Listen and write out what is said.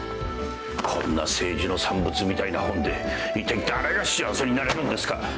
こんな政治の産物みたいな本でいったい誰が幸せになれるんですか。